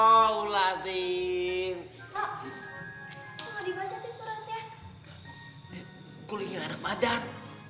apa bunganya anak badan sampe baca quran